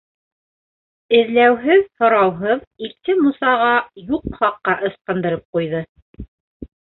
Эҙләүһеҙ-һорауһыҙ итсе Мусаға юҡ хаҡҡа ысҡындырып ҡуйҙы.